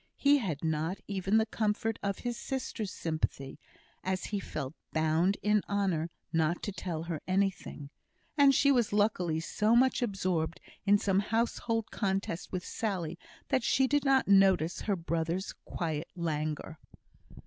He had not even the comfort of his sister's sympathy, as he felt bound in honour not to tell her anything; and she was luckily so much absorbed in some household contest with Sally that she did not notice her brother's quiet languor.